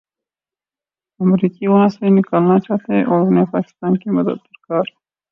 امریکی وہاں سے نکلنا چاہتے ہیں اور انہیں پاکستان کی مدد درکار ہے۔